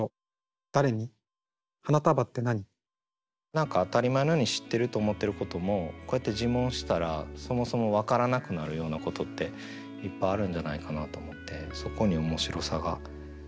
何か当たり前のように知ってると思ってることもこうやって自問したらそもそも分からなくなるようなことっていっぱいあるんじゃないかなと思ってそこに面白さがあるなと。